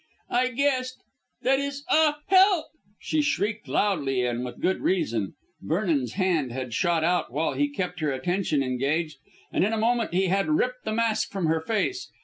"I guessed that is Ah! Help!" She shrieked loudly and with good reason. Vernon's hand had shot out while he kept her attention engaged, and in a moment he had ripped the mask from her face.